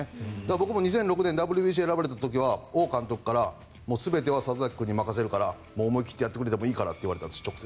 僕も２００６年ＷＢＣに選ばれた時は王監督から全ては里崎君に任せるからもう思い切ってやってくれてもいいからと直接言われたんです。